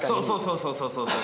そうそうそうそう。